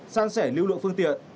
sang sẻ lưu lượng phương tiện